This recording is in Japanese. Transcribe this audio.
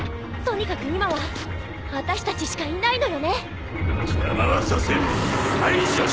とにかく今は私たちしかいないのよね。